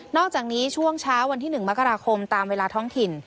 อกจากนี้ช่วงเช้าวันที่๑มกราคมตามเวลาท้องถิ่น